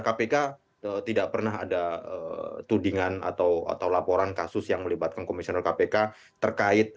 kpk tidak pernah ada tudingan atau laporan kasus yang melibatkan komisioner kpk terkait